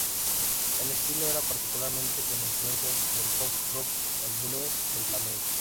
El estilo era particularmente con influencias del pop-rock, el blues y el flamenco.